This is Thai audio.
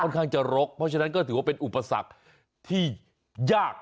ข้างจะรกเพราะฉะนั้นก็ถือว่าเป็นอุปสรรคที่ยาก